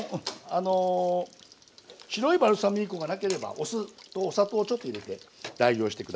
白いバルサミコがなければお酢とお砂糖をちょっと入れて代用して下さい。